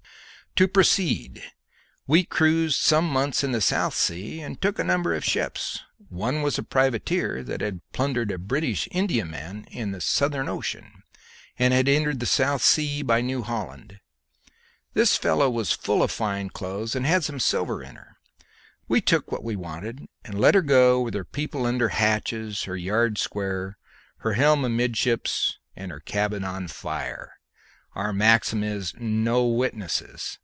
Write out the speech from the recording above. To proceed: we cruised some months in the South Sea and took a number of ships. One was a privateer that had plundered a British Indiaman in the Southern Ocean, and had entered the South Sea by New Holland. This fellow was full of fine clothes and had some silver in her. We took what we wanted, and let her go with her people under hatches, her yards square, her helm amidships, and her cabin on fire. Our maxim is, 'No witnesses!'